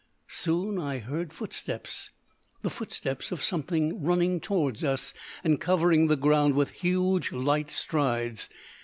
Soon I heard footsteps, the footsteps of something running towards us and covering the ground with huge, light strides.